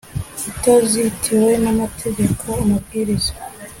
itazitiwe n amategeko amabwiriza